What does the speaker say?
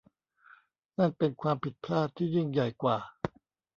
นั่นเป็นความผิดพลาดที่ยิ่งใหญ่กว่า